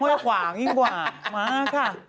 ขวางยิ่งกว่ามาค่ะ